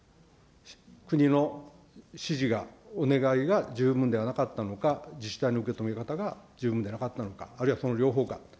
国の指示が、お願いが十分ではなかったのか、自治体の受け止め方が十分でなかったのか、あるいはその両方か。